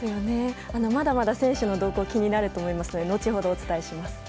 まだまだ、選手の動向気になると思いますので後ほどお伝えします。